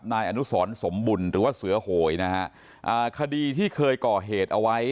นายอนุสรสมบุญหรือว่าเสือโหยนะฮะอ่าคดีที่เคยก่อเหตุเอาไว้